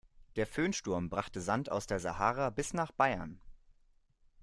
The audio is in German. Der Föhnsturm brachte Sand aus der Sahara bis nach Bayern.